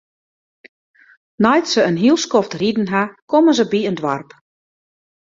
Nei't se in hiel skoft riden ha, komme se by in doarp.